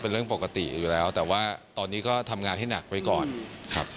เป็นเรื่องปกติอยู่แล้วแต่ว่าตอนนี้ก็ทำงานให้หนักไปก่อนครับ